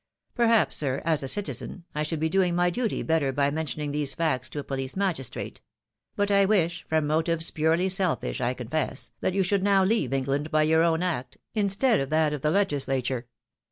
Perhaps, sir, as a citizen, I should be doing my duty better by mentioning these facts to a police magistrate ; but I wish, from motives purely selfish, I confess, that you should now leave England by your own act, instead of that of the legis lature.